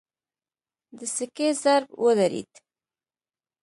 د سکې ضرب ودرېد.